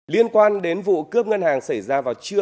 liên quan đến vụ cướp ngân hàng xảy ra vào trưa